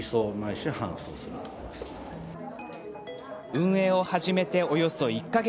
運営を始めて、およそ１か月。